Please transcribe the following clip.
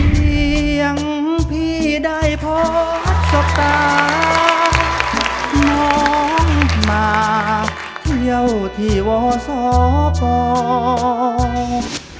พี่ยังพี่ได้พอสตาน้องมาเที่ยวที่วอสปอล์